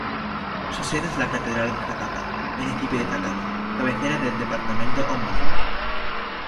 Su sede es la Catedral de Zacapa, municipio de Zacapa, cabecera del departamento homónimo.